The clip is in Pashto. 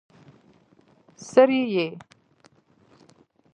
څرې يې؟